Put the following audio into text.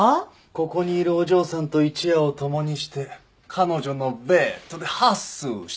ここにいるお嬢さんと一夜を共にして彼女のベッドでハッスルしたんじゃないのかい？